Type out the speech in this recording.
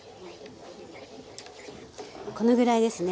このぐらいですね。